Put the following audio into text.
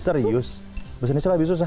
serius bahasa indonesia lebih susah